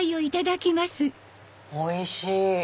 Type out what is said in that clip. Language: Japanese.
おいしい！